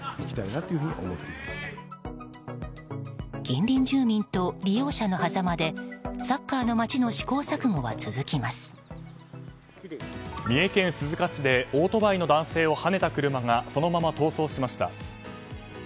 近隣住民と利用者のはざまでサッカーの町の三重県鈴鹿市でオートバイの男性をはねた車がそのまま逃走しました。